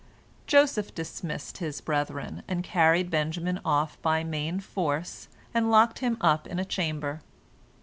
Joseph dismissed his brethren, and carried Benjamin off by main force, and locked him up in a chamber.